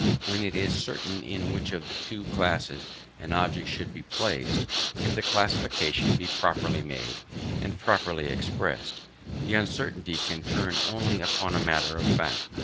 When it is uncertain in which of two classes an object should be placed, if the classification be properly made, and properly expressed, the uncertainty can turn only upon a matter of fact.